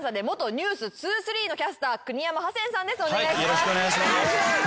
よろしくお願いします。